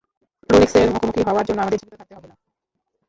রোলেক্সের মুখোমুখি হওয়ার জন্য আমাদের জীবিত থাকতে হবে না?